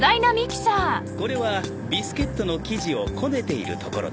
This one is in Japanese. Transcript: これはビスケットの生地をこねているところです。